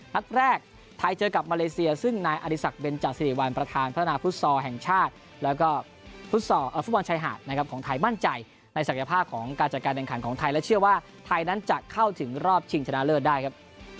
นัดแรกไทยเจอกับมาเลเซียซึ่งนายอดีศักดิเบนจาสิริวัลประธานพัฒนาฟุตซอลแห่งชาติแล้วก็ฟุตบอลชายหาดนะครับของไทยมั่นใจในศักยภาพของการจัดการแข่งขันของไทยและเชื่อว่าไทยนั้นจะเข้าถึงรอบชิงชนะเลิศได้ครับ